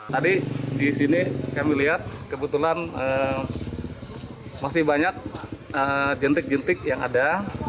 tadi di sini kami lihat kebetulan masih banyak jentik jentik yang ada